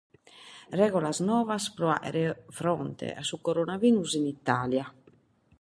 Règulas noas pro parare fronte a su Coronavirus in Itàlia.